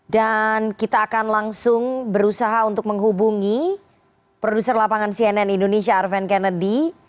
dan kita akan langsung berusaha untuk menghubungi produser lapangan cnn indonesia arven kennedy